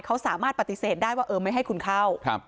เขาสามารถปฏิเสธได้ว่าเออไม่ให้คุณเข้า